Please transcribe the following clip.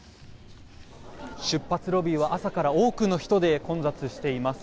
出発ロビーは朝から多くの人で混雑しています。